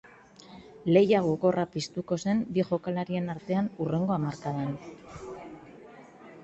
Lehia gogorra piztuko zen bi jokalarien artean hurrengo hamarkadan.